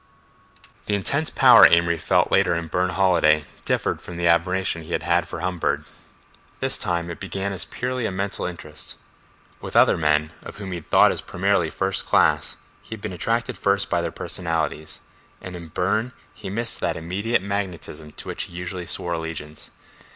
The intense power Amory felt later in Burne Holiday differed from the admiration he had had for Humbird. This time it began as purely a mental interest. With other men of whom he had thought as primarily first class, he had been attracted first by their personalities, and in Burne he missed that immediate magnetism to which he usually swore allegiance.